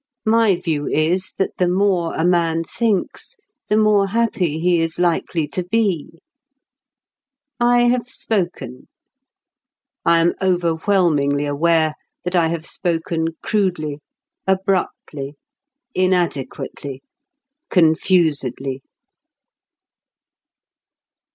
My view is that the more a man thinks the more happy he is likely to be. I have spoken. I am overwhelmingly aware that I have spoken crudely, abruptly, inadequately, confusedly.